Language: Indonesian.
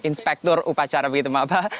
inspektur upacara begitu pak